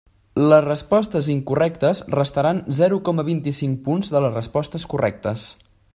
Les respostes incorrectes restaran zero coma vint-i-cinc punts de les respostes correctes.